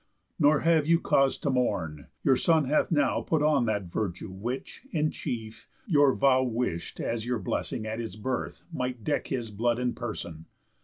_ Nor have you cause to mourn; your son hath now Put on that virtue which, in chief, your vow Wish'd, as your blessing, at his birth, might deck His blood and person."